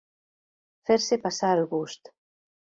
Fer-se passar el gust.